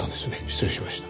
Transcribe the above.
失礼しました。